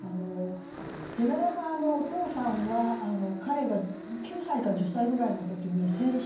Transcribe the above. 寺山のお父さんは彼が９歳か１０歳ぐらいの時に戦死しています。